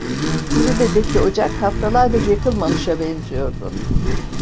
Kulübedeki ocak haftalardır yakılmamışa benziyordu.